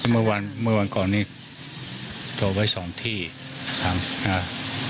เมื่อวันเมื่อวันก่อนนี้จอดไว้สองที่สามอ่า